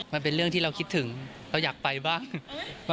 มันเป็นเรื่องที่เราคิดถึงเราอยากไปบ้าง